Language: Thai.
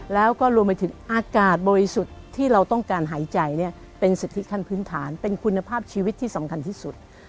แล้วก็รวมไปถึงอากาศบริสุทธิ์ที่เราต้องการหายใจเนี่ยเป็นสิทธิขั้นพื้นฐานเป็นคุณภาพชีวิตที่สำคัญที่สุด